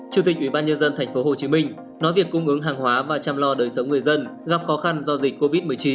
chủ tịch ubnd tp hcm nói việc cung ứng hàng hóa và chăm lo đời sống người dân gặp khó khăn do dịch covid một mươi chín